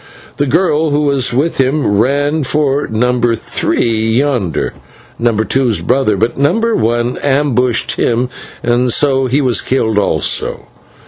The girl who was with him ran for Number Three yonder, Number Two's brother, but Number One ambushed him, so he was killed also.